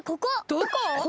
どこ？